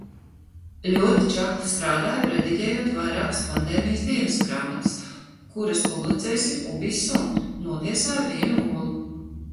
Ļoti čakli strādāju, rediģējot vairākas pandēmijas dienasgrāmatas, kuras publicēsim Ubi Sunt. Notiesāju vienu olu.